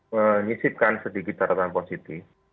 mengisipkan sedikit dataran positif